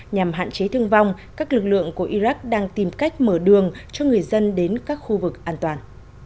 nhằm hạn chế thương vong các lực lượng của iraq đang tìm cách mở đường cho người dân đến các khu vực an toàn